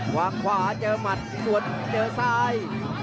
วางขวาเจอหมัดสวนเจอซ้าย